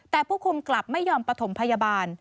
แต่ผู้คุมกลับไม่ยอมปฐมพยาบาล